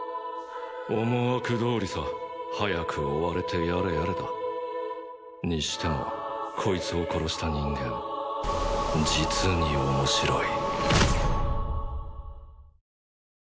思惑どおりさ早く終われてやれやれだにしてもこいつを殺した人間実に面白い